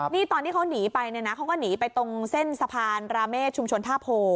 นี่ตอนที่เขาหนีไปเนี่ยนะเขาก็หนีไปตรงเส้นสะพานราเมฆชุมชนท่าโพ